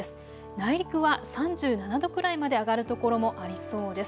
内陸は３７度くらいまで上がる所もありそうです。